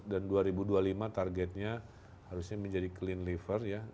dan dua ribu dua puluh lima targetnya harusnya menjadi clean liver ya